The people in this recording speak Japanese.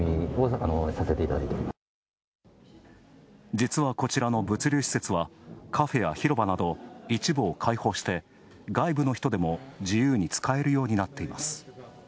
実は、こちらの物流施設はカフェや広場など、一部を開放して外部の人でも自由に使えるようになっています。